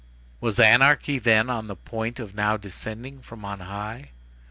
Was anarchy, then, on the point of now descending from on high?